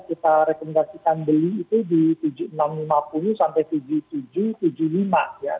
kita rekomendasikan beli itu di tujuh ribu enam ratus lima puluh tujuh ribu tujuh ratus tujuh puluh lima ya